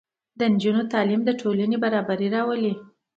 د نجونو تعلیم د ټولنې برابري راولي.